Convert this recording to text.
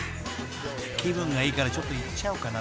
［気分がいいからちょっといっちゃおうかな。